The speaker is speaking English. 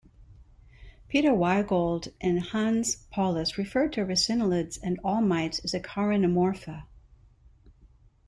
Peter Weygoldt and Hannes Paulus referred to ricinuleids and all mites as "Acarinomorpha".